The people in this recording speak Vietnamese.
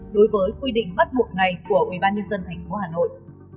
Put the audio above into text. đối với quy định bắt buộc này của ubnd tp hà nội